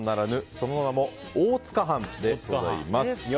その名も大塚飯でございます。